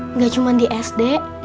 enggak cuma di sd